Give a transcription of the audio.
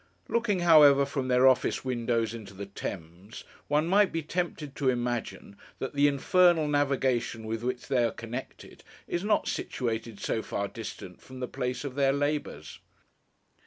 Looking, however, from their office windows into the Thames, one might be tempted to imagine that the infernal navigation with which they are connected is not situated so far distant from the place of their labours.